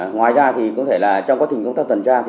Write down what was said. ngoài ra trong quá trình công tác tuần tra